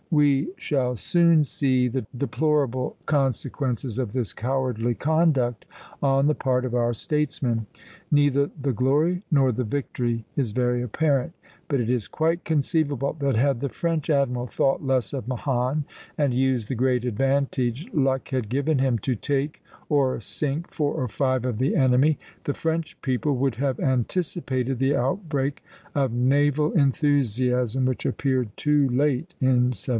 We shall soon see the deplorable consequences of this cowardly conduct on the part of our statesmen." Neither the glory nor the victory is very apparent; but it is quite conceivable that had the French admiral thought less of Mahon and used the great advantage luck had given him to take, or sink, four or five of the enemy, the French people would have anticipated the outbreak of naval enthusiasm which appeared too late, in 1760.